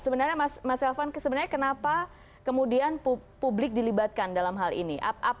sebenarnya mas elvan sebenarnya kenapa kemudian publik dilibatkan dalam hal ini